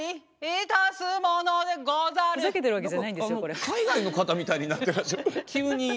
何か海外の方みたいになってらっしゃる急に。